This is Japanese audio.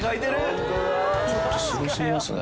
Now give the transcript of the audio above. ちょっとすごすぎますね。